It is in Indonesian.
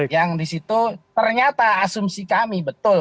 yang di situ ternyata asumsi kami betul